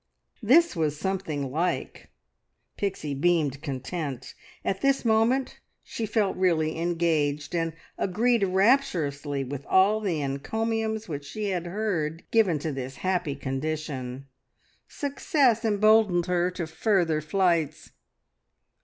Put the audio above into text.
This was something like! Pixie beamed content. At this moment she felt really "engaged," and agreed rapturously with all the encomiums which she had heard given to this happy condition. Success emboldened her to further flights.